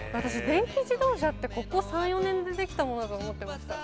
電気自動車ってここ３４年でできたものだと思ってました